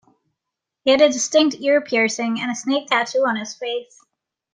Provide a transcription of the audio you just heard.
He had a distinct ear piercing and a snake tattoo on his face.